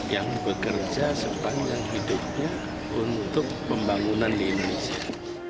yang bekerja sepanjang hidupnya untuk pembangunan di indonesia